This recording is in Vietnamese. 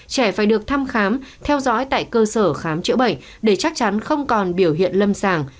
trẻ phải được thăm khám theo dõi tại cơ sở khám chữa bệnh để chắc chắn không còn biểu hiện lâm sàng